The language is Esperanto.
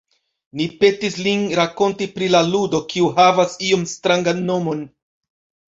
Ni petis lin rakonti pri la ludo, kiu havas iom strangan nomon.